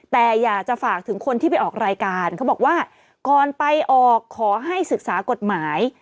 แต่อยากจะฝากถึงคนที่ไปออกรายการเขาบอกว่าก่อนไปออกขอให้ศึกษากฎหมาย